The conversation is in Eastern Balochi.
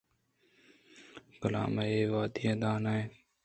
کلام اے وہدی اِدا نہ اِنت